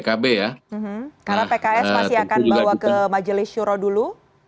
karena pks pasti akan bawa ke majelis syuro dulu